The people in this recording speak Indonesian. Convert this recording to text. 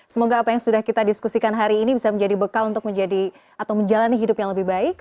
semoga apa yang sudah kita diskusikan hari ini bisa menjadi bekal untuk menjadi atau menjalani hidup yang lebih baik